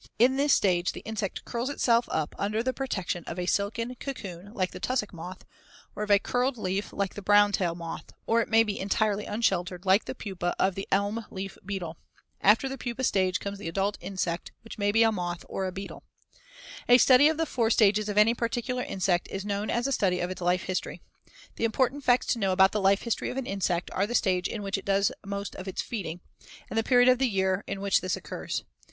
In this stage the insect curls itself up under the protection of a silken cocoon like the tussock moth, or of a curled leaf like the brown tail moth, or it may be entirely unsheltered like the pupa of the elm leaf beetle. After the pupa stage comes the adult insect, which may be a moth or a beetle. A study of the four stages of any particular insect is known as a study of its life history. The important facts to know about the life history of an insect are the stage in which it does most of its feeding, and the period of the year in which this occurs.